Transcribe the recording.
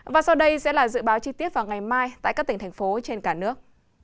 và sau đây sẽ là dự báo chi tiết vào ngày mai tại các tỉnh thành phố trên cả nước